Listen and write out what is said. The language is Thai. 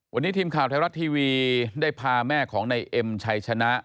วันนี้ทีมข่าวไทยรัฐทีวีได้พาแม่ของนายเอ็มชัยชนะ